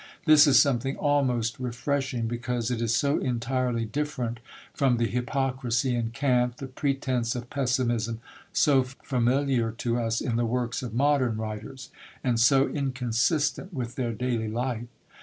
This is something almost refreshing, because it is so entirely different from the hypocrisy and cant, the pretence of pessimism, so familiar to us in the works of modern writers; and so inconsistent with their daily life.